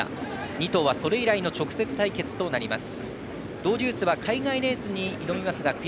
２頭はそれ以来の直接対決となります。